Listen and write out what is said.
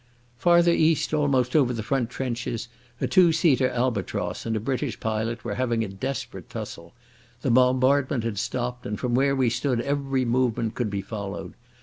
Farther east, almost over the front trenches, a two seater Albatross and a British pilot were having a desperate tussle. The bombardment had stopped, and from where we stood every movement could be followed.